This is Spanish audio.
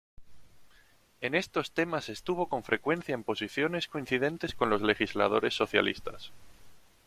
En estos temas estuvo con frecuencia en posiciones coincidentes con los legisladores socialistas.